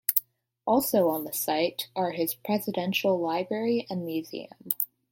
Also on the site are his presidential library and museum.